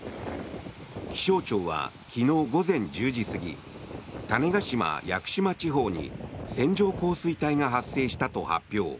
気象庁は昨日午前１０時過ぎ種子島・屋久島地方に線状降水帯が発生したと発表。